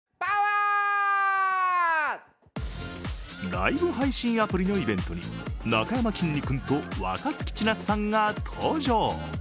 ライブ配信アプリのイベントになかやまきんに君と若槻千夏さんが登場。